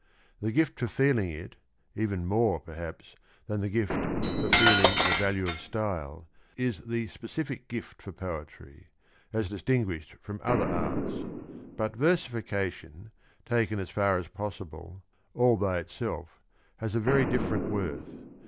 The gift for feeling it, even more, pc rhr.ps, than the gift for feeling the value of style, is the specific gilt for poetry, as distinguished from other arts. But versification, taken as far as possible, all by itself, has a very different worth.